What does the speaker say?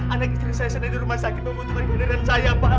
anak istri saya sudah di rumah sakit membutuhkan kendaraan saya pak